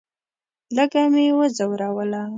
لږه مې وځوروله.